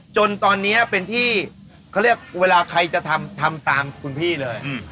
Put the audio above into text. จนตอนนี้เป็นที่เขาเรียกเวลาใครจะทำทำตามคุณพี่เลย